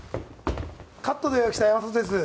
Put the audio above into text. カットで予約した山里です。